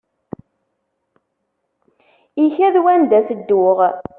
Ikad wanda tedduɣ.